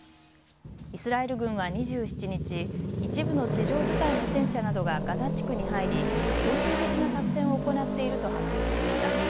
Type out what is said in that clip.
イスラエル軍は２７日、一部の地上部隊の戦車などがガザ地区に入り限定的な作戦を行っていると発表しました。